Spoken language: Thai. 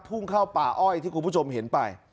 พุ่งเข้าป่าอ้อยที่คุณผู้ชมเห็นไป